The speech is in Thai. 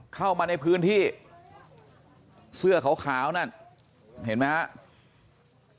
เข้ามาในพื้นที่เสื้อขาวนั่นเห็นไหมครับ